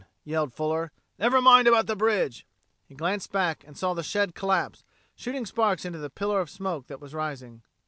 yelled Fuller. "Never mind about the bridge." He glanced back and saw the shed collapse, shooting sparks into the pillar of smoke that was rising.